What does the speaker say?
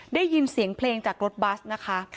ได้ยินเสียงเพลงจากรถบัสนะคะ